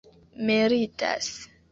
meritas